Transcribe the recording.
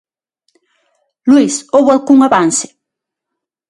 Luís, houbo algún avance?